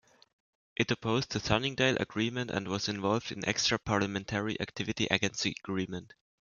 It opposed the Sunningdale Agreement and was involved in extra-parliamentary activity against the agreement.